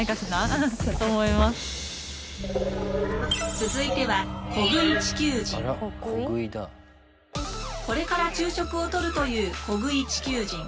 続いてはこれから昼食をとるというコグイ地球人。